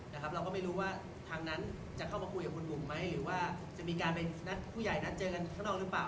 เราก็ไม่รู้ว่าทางนั้นจะเข้ามาคุยกับคุณบุ๋มไหมหรือว่าจะมีการไปนัดผู้ใหญ่นัดเจอกันข้างนอกหรือเปล่า